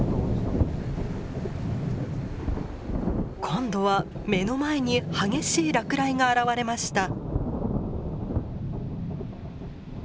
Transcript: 今度は目の前に激しい落雷が現れました。